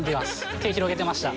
手広げてました。